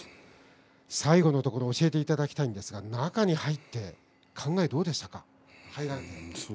最後のところを教えていただきたいんですが中に入って考えはどうでしたか。